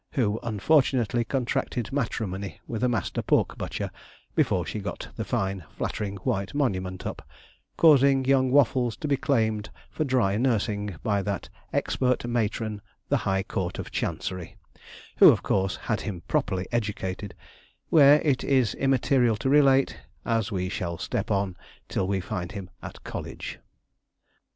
who unfortunately contracted matrimony with a master pork butcher, before she got the fine flattering white monument up, causing young Waffles to be claimed for dry nursing by that expert matron the High Court of Chancery; who, of course, had him properly educated where, it is immaterial to relate, as we shall step on till we find him at college.